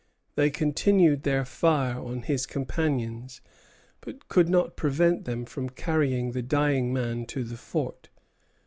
They continued their fire on his companions, but could not prevent them from carrying the dying man to the fort.